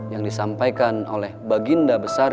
yang disampaikan oleh baginda besar